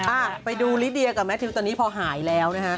อ่ะไปดูลิเดียกับแมททิวตอนนี้พอหายแล้วนะฮะ